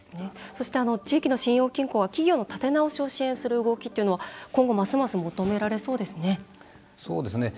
そして、地域の信用金庫は企業の立て直しを支援する動きというのは今後ますます求められそうですね。